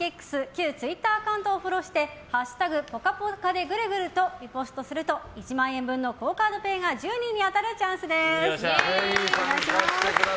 旧ツイッターアカウントをフォローして「＃ぽかぽかでぐるぐる」とリポストすると１万円分のＱＵＯカードＰａｙが１０人に当たるチャンスです！